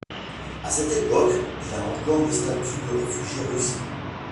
À cette époque, il a encore le statut de réfugié russe.